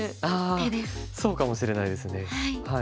ああそうかもしれないですね。